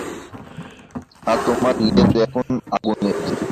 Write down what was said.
আর তোমার লেজ এখন আগুনের।